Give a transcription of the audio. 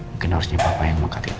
mungkin harusnya papa yang mengatakan